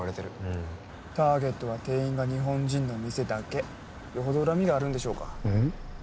うんターゲットは店員が日本人の店だけよほど恨みがあるんでしょうかうん？